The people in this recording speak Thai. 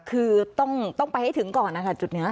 คือต้องไปให้ถึงก่อนนะคะจุดนี้